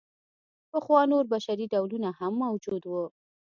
پخوا نور بشري ډولونه هم موجود وو.